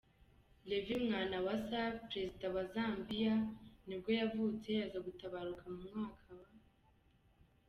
Levy Mwanawasa, perezida wa wa Zambiya nibwo yavutse aza gutabaruka mu mwaka w’.